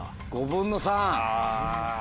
５分の３！